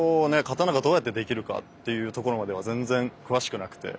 刀がどうやってできるかっていうところまでは全然詳しくなくて。